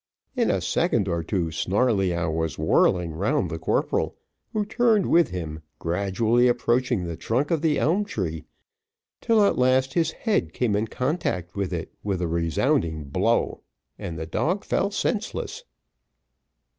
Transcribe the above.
In a second or two Snarleyyow was whirling round the corporal, who turned with him, gradually approaching the trunk of the elm tree, till at last his head came in contact with it with a resounding blow, and the dog fell senseless.